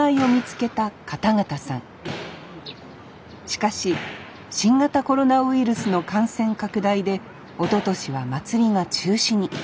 しかし新型コロナウイルスの感染拡大でおととしはまつりが中止に。